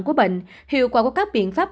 của bệnh hiệu quả của các biện pháp